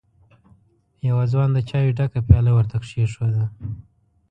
يوه ځوان د چايو ډکه پياله ور ته کېښوده.